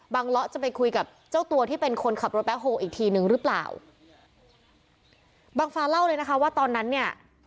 เลาะจะไปคุยกับเจ้าตัวที่เป็นคนขับรถแบ็คโฮลอีกทีนึงหรือเปล่าบังฟ้าเล่าเลยนะคะว่าตอนนั้นเนี่ย